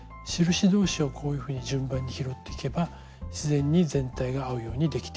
印同士をこういうふうに順番に拾っていけば自然に全体が合うようにできています。